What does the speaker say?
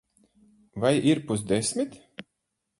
Vai ir pusdesmit?